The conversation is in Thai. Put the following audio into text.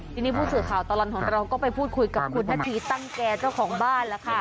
ทีนี้ผู้สื่อข่าวตลอดของเราก็ไปพูดคุยกับคุณนาธีตั้งแก่เจ้าของบ้านแล้วค่ะ